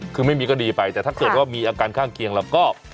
คือไม่มีก็ดีไปแต่ถ้าเกิดว่ามีอาการข้างเคียงเราก็